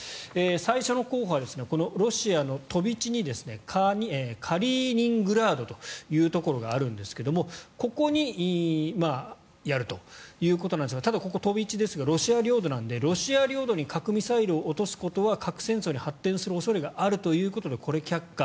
最初の候補はロシアの飛び地にカリーニングラードというところがあるんですがここにやるということなんですがただ、ここ、飛び地ですがロシア領土なのでロシア領土に核ミサイルを落とすことは核戦争に発展する恐れがあるということでこれ、却下。